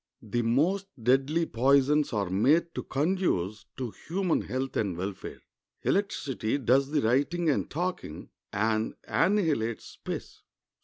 The most deadly poisons are made to conduce to human health and welfare. Electricity does the writing and talking, and annihilates space.